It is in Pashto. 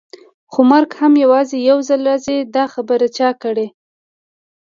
خو مرګ هم یوازې یو ځل راځي، دا خبره چا کړې؟